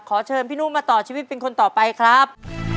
เชิญพี่นุ่งมาต่อชีวิตเป็นคนต่อไปครับ